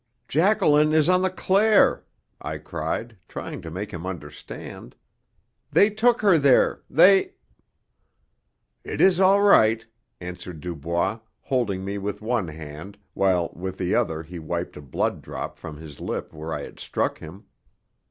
"Jacqueline is on the Claire!" I cried, trying to make him understand. "They took her there. They " "It is all right," answered Dubois, holding me with one hand, while with the other he wiped a blood drop from his lip where I had struck him.